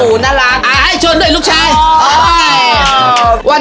โอ้น่ารักชวนด้วยลูกชาย